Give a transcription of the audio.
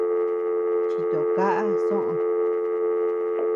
Chito kaʼa soʼö.